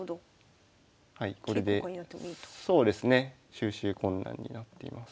収拾困難になっています。